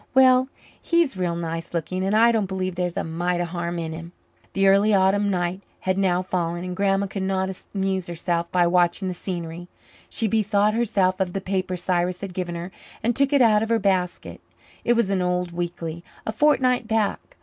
Well, he's real nice looking, and I don't believe there's a mite of harm in him. The early autumn night had now fallen and Grandma could not amuse herself by watching the scenery. She bethought herself of the paper Cyrus had given her and took it out of her basket. It was an old weekly a fortnight back.